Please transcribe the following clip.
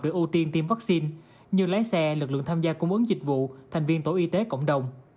việc ưu tiên tiêm vaccine như lái xe lực lượng tham gia cung ứng dịch vụ thành viên tổ y tế cộng đồng